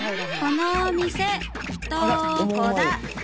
このお店どこだ？